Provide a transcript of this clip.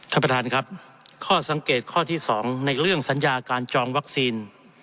ท่านประธานครับข้อสังเกตข้อที่๒ในเรื่องสัญญาการจองวัคซีน